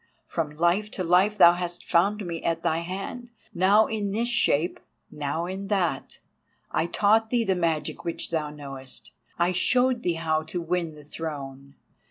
From Life to Life thou hast found me at thy hand, now in this shape, now in that. I taught thee the magic which thou knowest; I showed thee how to win the Throne!